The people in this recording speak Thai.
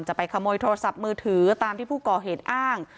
จะไปขโมยโทรศัพท์มือถือตามที่ผู้ก่อเหตุอ้าง